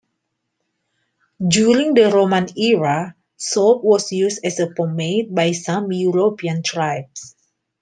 During the Roman era, soap was used as a pomade by some European tribes.